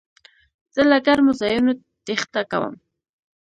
زه له ګرمو ځایونو تېښته کوم.